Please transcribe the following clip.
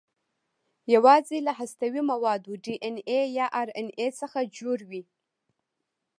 یواځې له هستوي موادو ډي ان اې یا ار ان اې څخه جوړ وي.